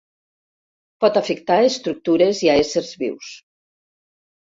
Pot afectar a estructures i a éssers vius.